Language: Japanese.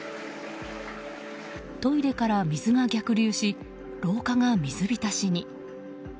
トイレから水が逆流し廊下が水浸しに。